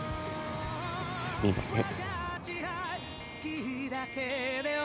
すみません。